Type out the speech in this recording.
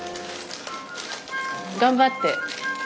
頑張って。